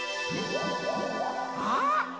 あっ！